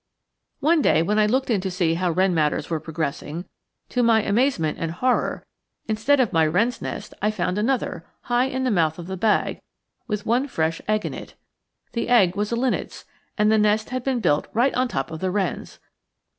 One day when I looked in to see how wren matters were progressing, to my amazement and horror, instead of my wren's nest I found another, high in the mouth of the bag with one fresh egg in it! The egg was a linnet's, and the nest had been built right on top of the wren's.